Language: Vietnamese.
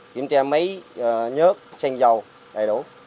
kiểm tra máy nhớt sen dầu đầy đủ